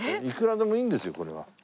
いくらでもいいんですよこれは。